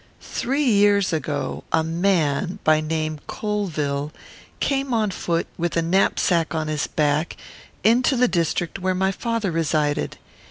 Three years ago, a man, by name Colvill, came on foot, and with a knapsack on his back, into the district where my father resided.